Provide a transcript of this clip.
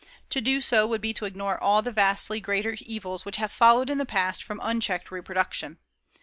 To do so would be to ignore all the vastly greater evils which have followed in the past from unchecked reproduction.